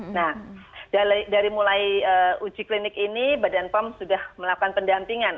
nah dari mulai uji klinik ini badan pom sudah melakukan pendampingan